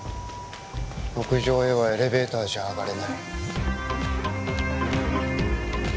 屋上へはエレベーターじゃ上がれない